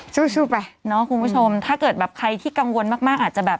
สู้ไปเนาะคุณผู้ชมถ้าเกิดแบบใครที่กังวลมากมากอาจจะแบบ